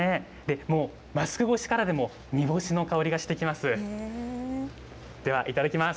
もうマスク越しからでも煮干しの香りがしてきます。